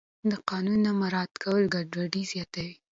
د قانون نه مراعت ګډوډي زیاتوي